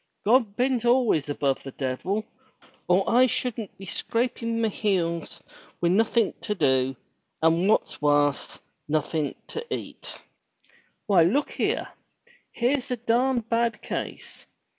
'*God ben't aFays above the devil, or I shoo'n't be scrapin' my heels wi' nothin' to do, and, what's warse, nothin* to eat. Why, look heer. Heer's a darned bad case.